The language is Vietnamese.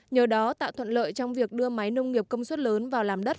nhờ đó tạo thuận lợi trong việc đưa máy nông nghiệp công suất lớn vào làm đất